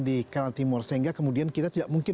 di kanal timur sehingga kemudian kita tidak mungkin